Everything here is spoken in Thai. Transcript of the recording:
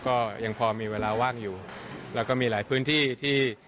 ก็ยังพอมีเวลาว่างอยู่แล้วก็มีหลายพื้นที่ที่